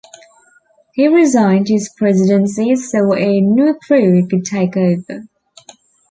He resigned his presidency so a new crew could take over.